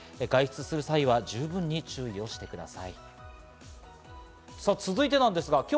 外出する際は十分に注意をしてください。